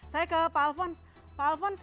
saya ke pak alfons